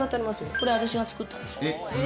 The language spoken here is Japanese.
これ私が作ったんです。